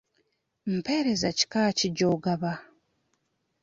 Mpeereza kika ki gy'ogaba?